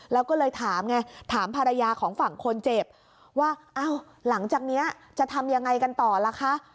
แล้วก็เลยถามไงถามภรรยาของฝั่งคนเจ็บว่าอ้าวหลังจากนี้จะทำยังไงกันต่อล่ะคะ